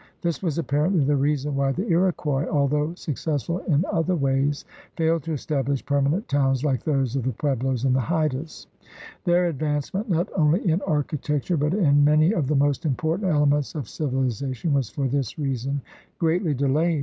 This was apparently the reason why the Iroquois, although successful in other ways, failed to establish permanent towns like those of the Pueblos and the Haidas. Their advancement not only in architecture but in many THE RED MAN IN AMERICA 167 of the most important elements of civilization was for this reason greatly delayed.